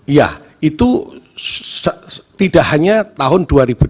iya itu tidak hanya tahun dua ribu dua puluh